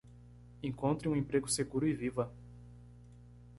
Encontre um emprego seguro e viva